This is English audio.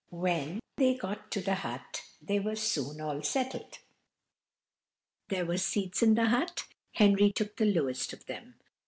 When they all got to the hut they were soon all settled. There were seats in the hut; Henry took the lowest of them.